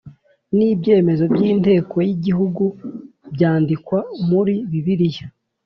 n ibyemezo by Inteko y Igihugu byandikwa muri bibiliya